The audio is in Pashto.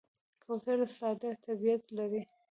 کوتره ساده طبیعت لري.